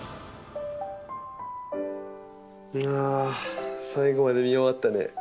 あ最後まで見終わったね。